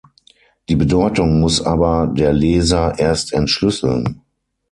Die Bedeutung muss aber der Leser erst entschlüsseln.